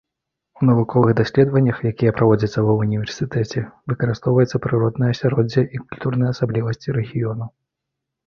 У навуковых даследаваннях, якія праводзяцца ва ўніверсітэце, выкарыстоўваецца прыроднае асяроддзе і культурныя асаблівасці рэгіёну.